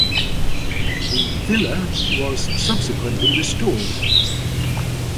The villa was subsequently restored.